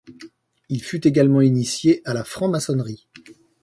Il fut également initié à la franc-maçonnerie.